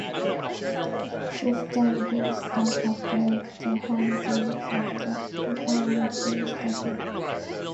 Since then Livingston have played their home games at the Almondvale Stadium.